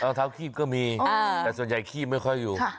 รองเท้าคีบก็มีแต่ส่วนใหญ่คีบไม่ค่อยอยู่